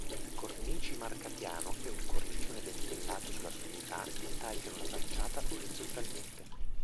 Cornici marcapiano e un cornicione dentellato sulla sommità tagliano la facciata orizzontalmente.